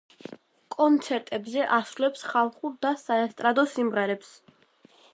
კონცერტებზე ასრულებს ხალხურ და საესტრადო სიმღერებს.